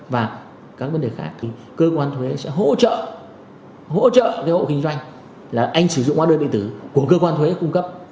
và các vấn đề khác thì cơ quan thuế sẽ hỗ trợ hỗ trợ cái hộ kinh doanh là anh sử dụng hóa đơn điện tử của cơ quan thuế cung cấp